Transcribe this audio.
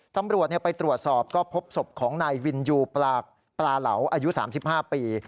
ตำรวจไปตรวจสอบก็พบศพของนายวินยูปลาเหลาอายุ๓๕ปี